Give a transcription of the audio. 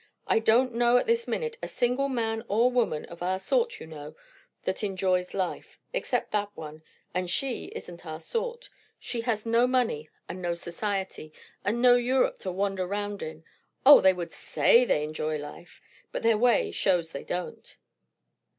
I don't know at this minute a single man or woman, of our sort, you know, that enjoys life; except that one. And she isn't our sort. She has no money, and no society, and no Europe to wander round in! O, they would say they enjoy life; but their way shows they don't."